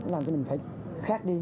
làm cái mình phải khác đi